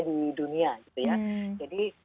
di dunia jadi